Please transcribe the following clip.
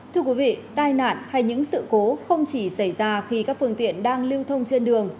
thưa quý vị tai nạn hay những sự cố không chỉ xảy ra khi các phương tiện đang lưu thông trên đường